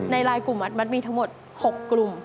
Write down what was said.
ลายกลุ่มมัดมีทั้งหมด๖กลุ่ม